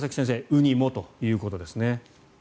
ウニもということですね。